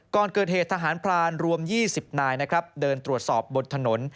ก่อนเกิดเหตุทหารพรานรวม๒๐นายนะครับเดินตรวจสอบบนถนน